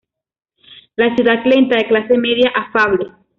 La ciudad lenta, de clase media afable.